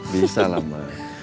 bisa lah ma